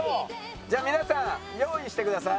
じゃあ皆さん用意してください。